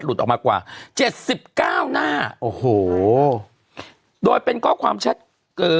หลุดออกมากว่า๗๙หน้าโอ้โหโดยเป็นก็ความแชทเอ่อ